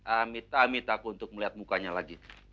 amit amit aku untuk melihat mukanya lagi